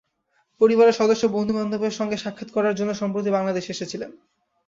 পরিবারের সদস্য ও বন্ধুবান্ধবের সঙ্গে সাক্ষাৎ করার জন্য সম্প্রতি বাংলাদেশে এসেছিলেন।